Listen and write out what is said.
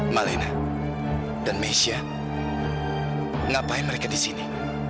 malinah dan mesia ngapain mereka disini